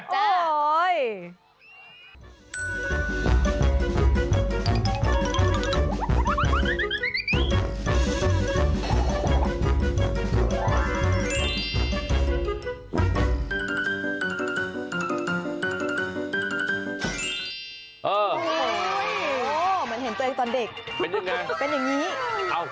เหมือนเห็นตัวเองตอนเด็ก